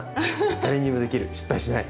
誰にでもできる失敗しない！